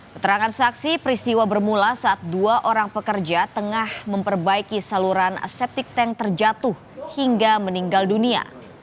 keterangan saksi peristiwa bermula saat dua orang pekerja tengah memperbaiki saluran septic tank terjatuh hingga meninggal dunia